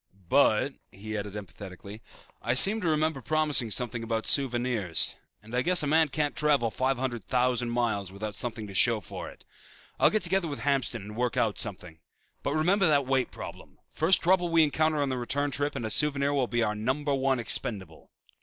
"But," he added emphatically, "I seem to remember promising something about souvenirs and I guess a man can't travel five hundred thousand miles without something to show for it. I'll get together with Hamston and work out something. But remember that weight problem. First trouble we encounter on the return trip and a souvenir will be our number one expendable."